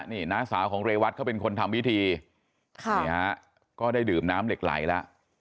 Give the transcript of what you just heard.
นี่น้าสาวของเรวัตเขาเป็นคนทำพิธีนี่ฮะก็ได้ดื่มน้ำเหล็กไหลแล้ว